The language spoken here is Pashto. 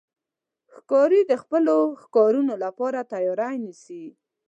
ښکاري د خپلو ښکارونو لپاره تیاری نیسي.